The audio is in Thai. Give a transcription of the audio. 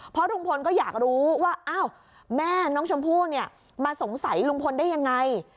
เพราะลุงพลก็อยากรู้ว่าอ้าวแม่น้องชมพู่เนี่ยมาสงสัยลุงพลได้ยังไง